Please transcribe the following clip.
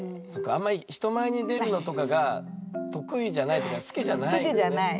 あんまり人前に出るのとかが得意じゃないとか好きじゃないじゃない？